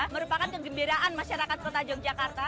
merupakan kegembiraan masyarakat kota yogyakarta